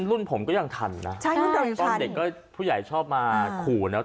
รุ่นผมก็ยังทันนะตอนเด็กก็ผู้ใหญ่ชอบมาขู่นะ